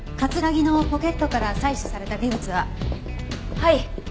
はい。